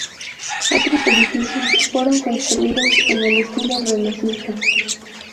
Otros edificios fueron construidos en el estilo renacentista.